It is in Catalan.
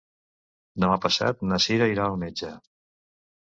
Demà passat na Cira irà al metge.